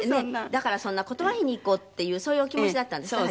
だから断りに行こうっていうそういうお気持ちだったんですって？